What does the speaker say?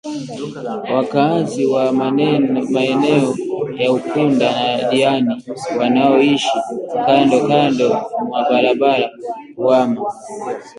wakaazi wa maeneo ya Ukunda na Diani wanaoishi kando kando mwa barabara kuhama